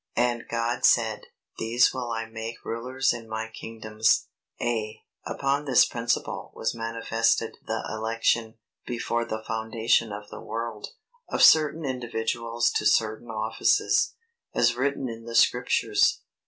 And God said, these will I make rulers in my kingdoms.[A] Upon this principle was manifested the election, before the foundation of the world, of certain individuals to certain offices, as written in the Scriptures.